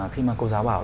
khi mà cô giáo bảo